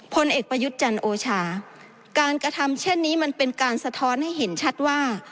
พลเอกประยุทธ์จันทร์โอชาการกระทำเช่นนี้มันเป็นการสะท้อนให้เห็นชัดว่า